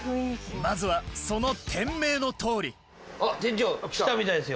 まずはその店名のとおりあっ来たみたいですよ。